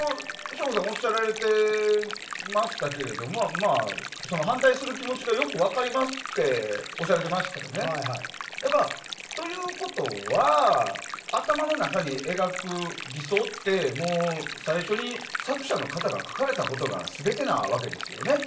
省吾さんがおっしゃられてましたけれども反対する気持ちがよく分かりますっておっしゃっていましたよね。ということは頭の中に描く理想って最初に、作者の方が描かれたことが全てなわけですよね。